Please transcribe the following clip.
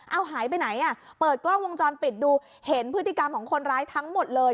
เอาหายไปไหนอ่ะเปิดกล้องวงจรปิดดูเห็นพฤติกรรมของคนร้ายทั้งหมดเลย